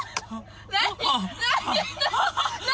・何？